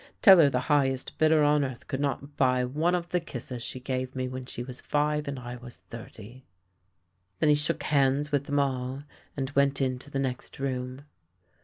" Tell her the highest bidder on earth could not buy one of the kisses she gave me when she was five and I was thirty! " Then he shook hands with them all and went into the next room.